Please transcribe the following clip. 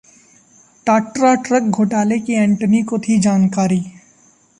टाट्रा truck घोटाले की एंटनी को थी जानकारी!